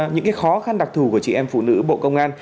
những khó khăn đặc thù của chị em phụ nữ bộ công an